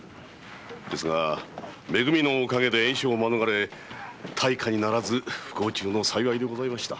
がめ組のおかげで延焼を免れ大火にならず不幸中の幸いでございました。